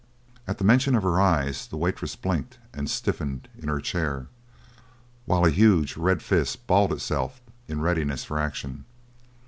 At the mention of her eyes the waitress blinked and stiffened in her chair, while a huge, red fist balled itself in readiness for action.